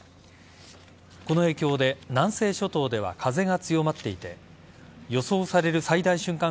この影響で南西諸島では風が強まっていて予想される最大瞬間